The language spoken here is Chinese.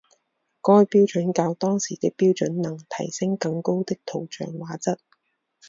该标准较当时的标准能提升更高的图像画质。